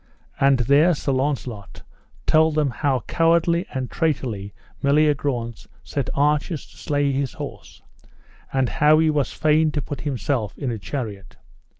And there Sir Launcelot told them how cowardly and traitorly Meliagrance set archers to slay his horse, and how he was fain to put himself in a chariot.